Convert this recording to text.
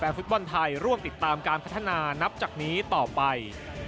ฟุตบอลไทยร่วมติดตามการพัฒนานับจากนี้ต่อไป